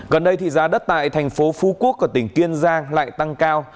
gần đây thì giá đất tại thành phố phú quốc của tỉnh kiên giang lại tăng cao